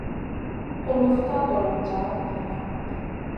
Kulufna ka golon jar niyna.